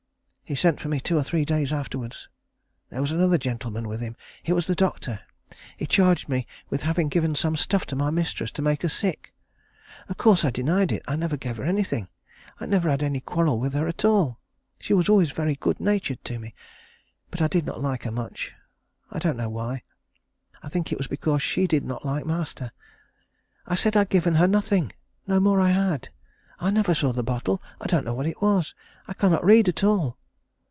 He sent for me two or three days afterwards. There was another gentleman with him. It was the doctor. He charged me with having given some stuff to my mistress to make her sick. Of course I denied it. I never gave her anything, I never had any quarrel with her at all. She was always very good natured to me, but I did not like her much. I don't know why. I think it was because she did not like master. I said I had given her nothing. No more I had. I never saw the bottle, and don't know what it was. I cannot read at all.